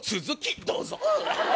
続きどうぞ！